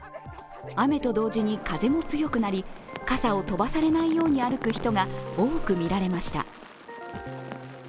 雨と同時に風も強くなり、傘を飛ばされないように歩く人が多く見られました。